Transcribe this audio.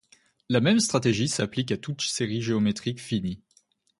La même stratégie s'applique à toute série géométrique finie.